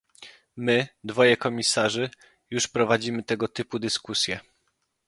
My, dwoje komisarzy, już prowadzimy tego typu dyskusje